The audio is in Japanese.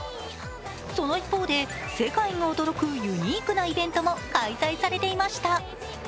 その一方で、世界が驚くユニークなイベントも開催されていました。